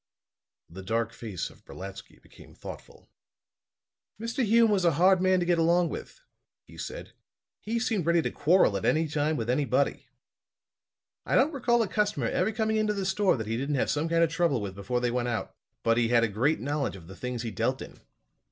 The dark face of Brolatsky became thoughtful. "Mr. Hume was a hard man to get along with," he said. "He seemed ready to quarrel at any time with anybody. I don't recall a customer ever coming into the store that he didn't have some kind of trouble with before they went out. But he had a great knowledge of the things he dealt in.